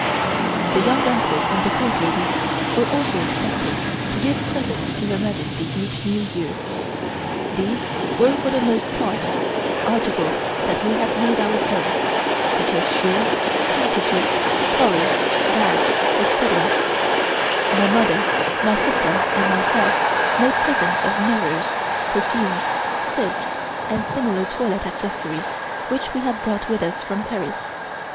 The Young Empress and the Court ladies were also expected to give presents to Her Majesty each New Year. These were for the most part articles that we had made ourselves, such as shoes, handkerchiefs, collars, bags, etc. My mother, my sister and myself made presents of mirrors, perfumes, soaps and similar toilet accessories which we had brought with us from Paris.